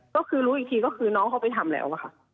ก็รู้อีกทีมงเขาไปทำแล้ว